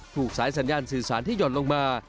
ถูกสายสัญญาณสื่อสารที่หย่อนลงมา